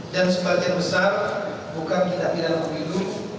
dan sebagian besar bukan tidak pidana pemilu